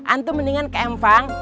anda mendingan keemfang